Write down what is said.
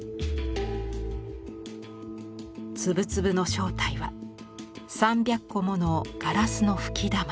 粒々の正体は３００個ものガラスの吹玉。